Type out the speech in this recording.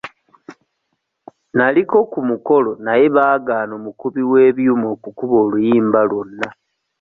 Naliko ku mukolo naye baagaana omukubi w'ebyuma okukuba oluyimba lwonna.